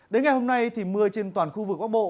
đến ngày hôm nay thì mưa trên toàn khu vực bắc bộ